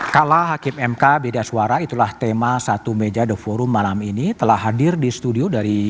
kalau hakim mk beda suara itulah tema satu meja the forum malam ini telah hadir di studio dari